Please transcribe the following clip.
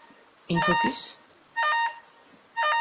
In Focus?